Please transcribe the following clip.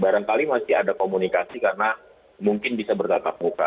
barangkali masih ada komunikasi karena mungkin bisa bertatap muka